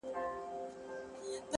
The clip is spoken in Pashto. لکه ماسوم بې موره